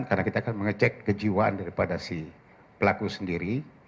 karena kita akan mengecek kejiwaan daripada si pelaku sendiri